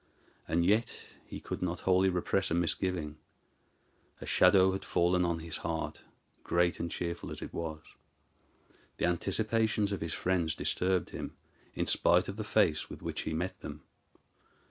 And yet he could not wholly repress a misgiving. A shadow had fallen on his heart, great and cheerful as it was. The anticipations of his friends disturbed him, in spite of the face with which he met them.